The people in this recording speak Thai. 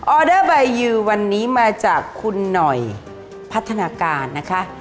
อเดอร์ใบยือวันนี้มาจากคุณหน่อยพัฒนาการนะคะ